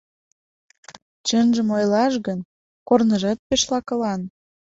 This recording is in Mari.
Чынжым ойлаш гын, корныжат пеш лакылан.